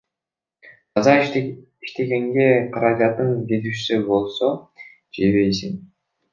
Таза иштегенге каражатың жетиштүү болсо, жебейсиң.